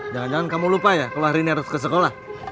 jangan jangan kamu lupa ya kalau hari ini harus ke sekolah